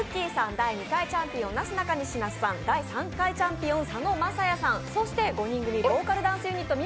第２回チャンピオン、なすなかにし那須さん、第３回チャンピオン・佐野晶哉さん、そして５人組ボーカルダンスユニットＭ！